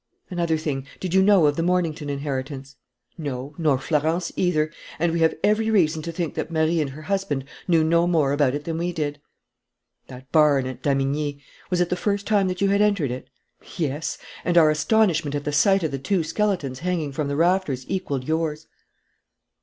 "Another thing. Did you know of the Mornington inheritance?" "No, nor Florence either; and we have every reason to think that Marie and her husband knew no more about it than we did." "That barn at Damigni: was it the first time that you had entered it?" "Yes; and our astonishment at the sight of the two skeletons hanging from the rafters equalled yours."